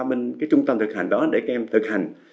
bên cái trung tâm thực hành đó để các em thực hành